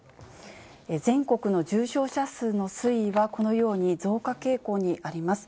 全国の重症者数の推移は、このように増加傾向にあります。